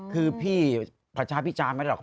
คือพี่ประชาพิจารณ์ไม่ได้หรอก